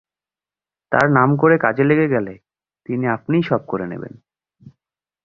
তাঁর নাম করে কাজে লেগে গেলে তিনি আপনিই সব করে নেবেন।